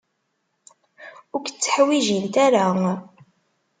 Ur k-tteḥwijint ara.